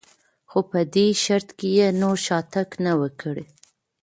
خو په دې شرط که یې نور شاتګ نه و کړی.